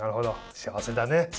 幸せだね。